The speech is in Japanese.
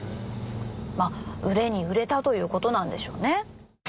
まぁ売れに売れたというコトなんでしょうね。